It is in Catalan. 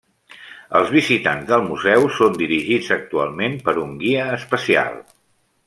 Els visitants del museu són dirigits actualment per un guia especial.